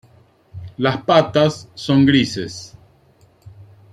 La patas son grises.